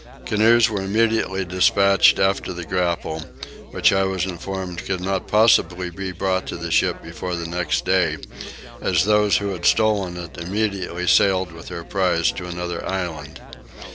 Canoes were immediately despatched after the grapnel, which I was informed could not possibly be brought to the ship before the next day, as those who had stolen it immediately sailed with their prize to another island.